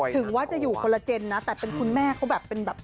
ถึงว่าจะอยู่คนละเจนนะแต่เป็นคุณแม่เขาแบบเป็นแบบ